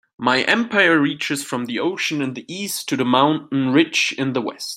My empire reaches from the ocean in the East to the mountain ridge in the West.